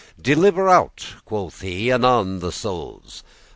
"Deliver out," quoth he, "anon the souls.